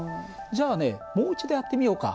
じゃあねもう一度やってみようか。